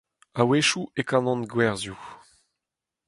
A-wechoù e kanan gwerzioù.